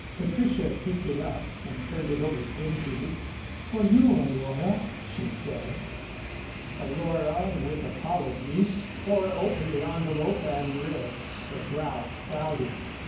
Patricia picked it up and turned it over daintily. "For you, Aurora," she said. Aurora with apologies tore open the envelope and read, her brow clouding.